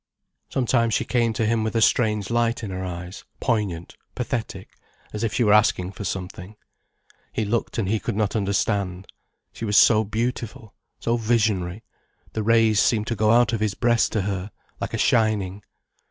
Sometimes she came to him with a strange light in her eyes, poignant, pathetic, as if she were asking for something. He looked and he could not understand. She was so beautiful, so visionary, the rays seemed to go out of his breast to her, like a shining.